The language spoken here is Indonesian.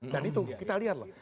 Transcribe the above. dan itu kita lihat loh